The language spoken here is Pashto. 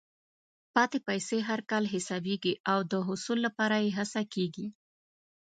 پاتې پیسې هر کال حسابېږي او د حصول لپاره یې هڅه کېږي.